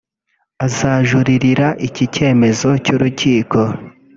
azajuririra iki cyemezo cy’urukiko